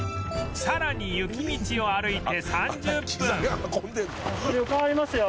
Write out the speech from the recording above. さらに雪道を歩いて３０分